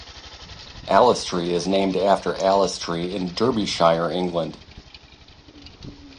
Allestree is named after Allestree in Derbyshire, England.